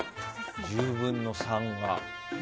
１０分の３が。